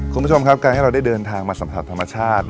คุณผู้ชมครับการที่เราได้เดินทางมาสัมผัสธรรมชาติ